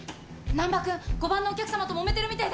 難破君５番のお客さまともめてるみたいです！